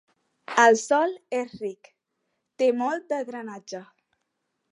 El sòl és ric, té molt de drenatge.